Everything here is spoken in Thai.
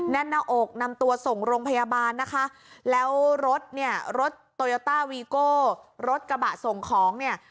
แน่นหน้าอกนำตัวส่งโรงพยาบาลนะคะแล้วรถเนี่ยรถโตโยต้าวีโก้รถกระบะส่งของเนี่ย